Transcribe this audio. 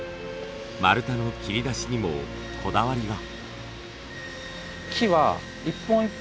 丸太の切り出しにもこだわりが。